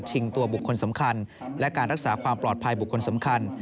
ตัวบุคคลสำคัญและการรักษาความปลอดภัยบุคคลสำคัญ